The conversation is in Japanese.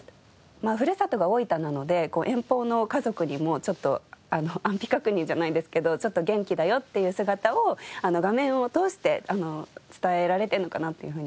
ふるさとが大分なので遠方の家族にもちょっと安否確認じゃないんですけど元気だよっていう姿を画面を通して伝えられてるのかなっていうふうに思います。